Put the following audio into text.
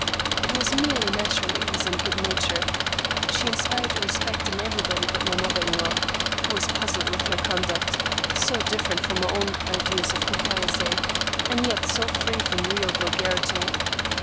It was merely natural ease and good nature. She inspired respect in everybody but my mother in law, who was puzzled with her conduct, so different from her own ideas of propriety, and yet so free from real vulgarity.